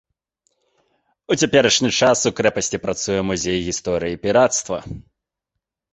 У цяперашні час у крэпасці працуе музей гісторыі пірацтва.